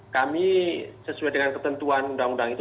kami sesuai dengan ketentuan undang undang itu